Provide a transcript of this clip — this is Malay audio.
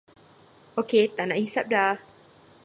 Okey taknak hisap dah.